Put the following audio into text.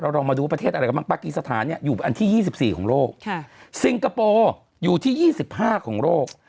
ลองมาดูว่าประเทศอะไรกันบ้างปากีสถานเนี่ยอยู่อันที่๒๔ของโลกซิงคโปร์อยู่ที่๒๕ของโลก